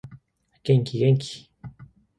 元気元気